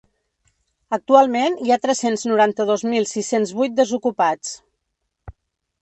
Actualment hi ha tres-cents noranta-dos mil sis-cents vuit desocupats.